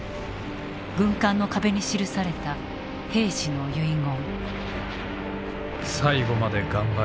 軍艦の壁に記された兵士の遺言。